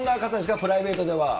プライベートでは。